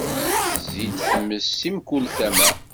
Tezzi-d tmes, si mkul tama.